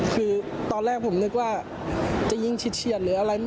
คือตอนแรกผมนึกว่าจะยิงเฉียดหรืออะไร